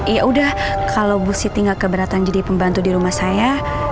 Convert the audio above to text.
yaudah kalau bu siti gak keberatan jadi pembantu di rumah saya